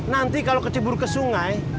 nanti kalau kecebur ke sungai